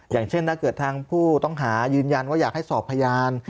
อย่างเช่นถ้าเกิดทางผู้ต้องหายืนยันว่าอยากให้สอบพยาน